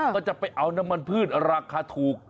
ก็จะไปเอาน้ำมันพืชราคาถูก